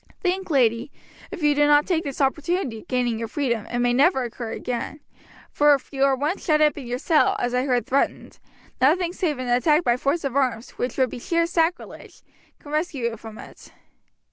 Think, lady, if you do not take this opportunity of gaining your freedom, it may never occur again, for if you are once shut up in your cell, as I heard threatened, nothing save an attack by force of arms, which would be sheer sacrilege, can rescue you from it.